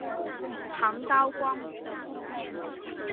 长刀光鱼的图片